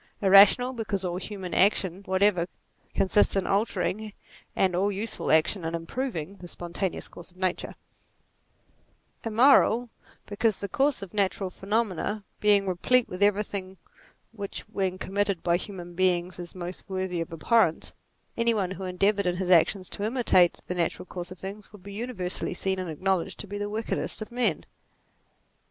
Irrational, because all human action whatever, con sists in altering, and all useful action in improving, the spontaneous course of nature : NATURE 65 Immoral, because the course of natural phenomena being replete with everything which when committed byTrornan beings is most worthy of abhorrence, any one who endeavoured in his actions to imitate the natural course of things would be universally seen and acknowledged to be the wickedest of men.